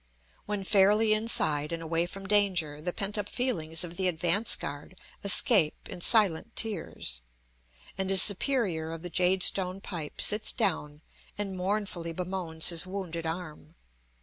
When fairly inside and away from danger the pent up feelings of the advance guard escape in silent tears, and his superior of the jade stone pipe sits down and mournfully bemoans his wounded arm.